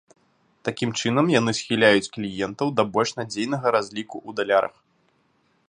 Такім чынам яны схіляюць кліентаў да больш надзейнага разліку ў далярах.